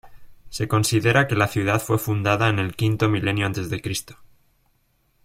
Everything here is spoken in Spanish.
Se considera que la ciudad fue fundada en el V milenio antes de Cristo.